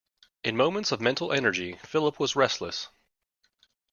In moments of mental energy Philip was restless.